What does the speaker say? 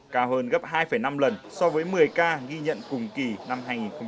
cao hơn gấp hai năm lần so với một mươi ca ghi nhận cùng kỳ năm hai nghìn một mươi tám